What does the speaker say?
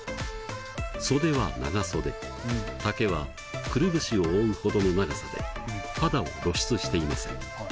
袖は長袖丈はくるぶしを覆うほどの長さで肌を露出していません。